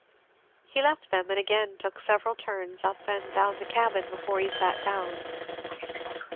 He left them and again took several turns up and down the cabin before he sat down.